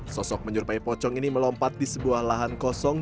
sosok menyerupai pocong ini melompat di sebuah lahan kosong